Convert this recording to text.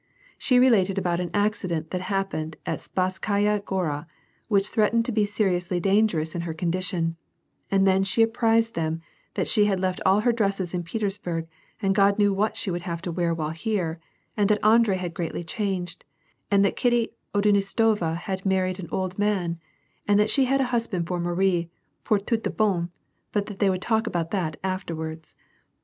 She related about an accident that happened at Spdskaya Gord which threatened to be seri ously dangerous in her condition, and then she apprised them that she had left all her dresses in Petersburg and God knew what she should have to wear while here, and that Andrei had greatly changed, and that Kitty Oduintsova had married an old man, and that she had a husband for Marie pour tout de *«i, but that they would talk about that afterwards.